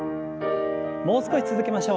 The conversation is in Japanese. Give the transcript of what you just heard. もう少し続けましょう。